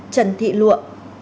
trần thị luộ